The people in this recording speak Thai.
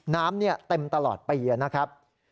น้ำเต็มตลอดปีนะครับ